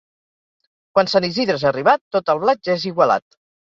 Quan Sant Isidre és arribat tot el blat ja és igualat.